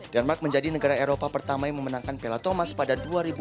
denmark menjadi negara eropa pertama yang memenangkan piala thomas pada dua ribu dua puluh